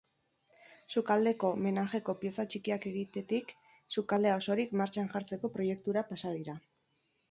Sukaldeko menajeko pieza txikiak egitetik, sukaldea osorik martxan jartzeko proiektura pasa dira.